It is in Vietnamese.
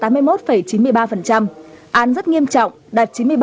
án rất nghiêm trọng đạt chín mươi ba tám mươi sáu